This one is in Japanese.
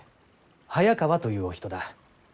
早川というお人だ。